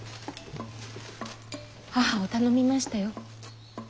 母を頼みましたよ。